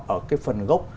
ở cái phần gốc